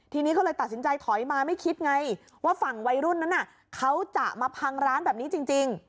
ทีนี้ก็เลยตัดสินใจถอยมาไม่คิดไงว่าฝั่งวัยรุ่นนั้นเขาจะมาพังร้านแบบนี้จริง